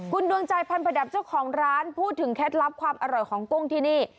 คุณดวงใจพันธประดับเจ้าของร้านพูดถึงเคล็ดลับความอร่อยของกุ้งที่นี่